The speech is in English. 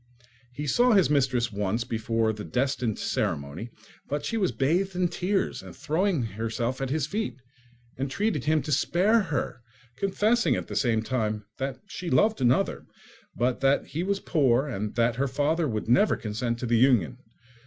He saw his mistress once before the destined ceremony; but she was bathed in tears, and throwing herself at his feet, entreated him to spare her, confessing at the same time that she loved another, but that he was poor, and that her father would never consent to the union.